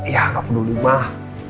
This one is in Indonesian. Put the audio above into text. ya gak peduli mah